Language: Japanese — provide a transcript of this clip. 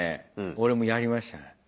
俺もやりましたね。